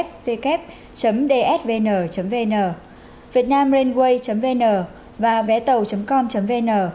www dsvn vn vietnamrainway vn và vétàu com vn